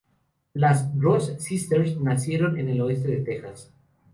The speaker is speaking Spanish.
Las Ross Sisters nacieron en el oeste de Texas.